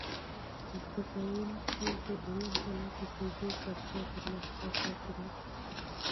زده کوونکي د علم په لټه کې دي ترڅو پرمختګ وکړي.